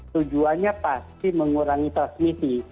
tujuannya pasti mengurangi transmisi